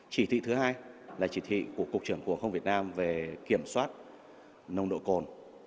chỉ thị thứ hai là chỉ thị của cục trưởng cục hàng không việt nam về kiểm soát nồng độ cồn